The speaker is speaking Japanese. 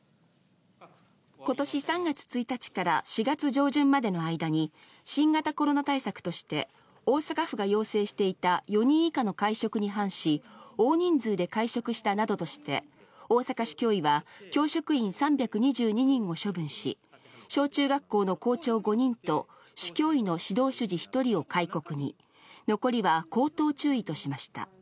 ことし３月１日から４月上旬までの間に、新型コロナ対策として、大阪府が要請していた４人以下の会食に反し、大人数で会食したなどとして、大阪市教委は、教職員３２２人を処分し、小中学校の校長５人と、市教委の指導主事１人を戒告に、残りは口頭注意としました。